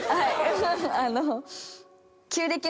あの。